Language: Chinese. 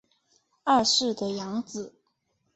二世的养子。